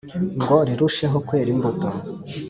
Ngo rirusheho kwera imbuto